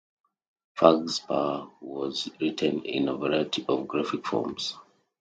'Phags-pa was written in a variety of graphic forms.